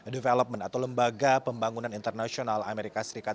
development atau lembaga pembangunan internasional amerika serikat